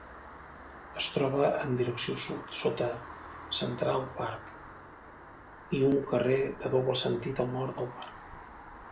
Es troba en direcció sud, sota Central Park i un carrer de doble sentit al nord del parc.